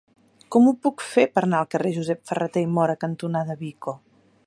Com ho puc fer per anar al carrer Josep Ferrater i Móra cantonada Vico?